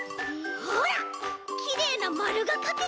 ほらきれいなまるがかけた！